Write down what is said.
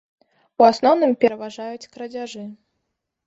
У асноўным пераважаюць крадзяжы.